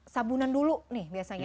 sabunan dulu nih biasanya